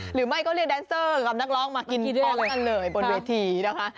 หรือไม่ก็เรียกแดนเซอร์กับนักร้องมากินพร้อมกันเลยบนเวทีนะคะ